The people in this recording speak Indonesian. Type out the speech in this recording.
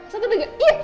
satu dua tiga